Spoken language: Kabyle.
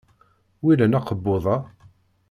W ilan akebbuḍ-a?